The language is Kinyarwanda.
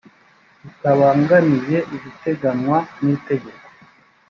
bitabangamiye ibiteganywa n itegeko